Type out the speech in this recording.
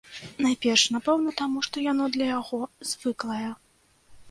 Найперш, напэўна, таму, што яно для яго звыклае.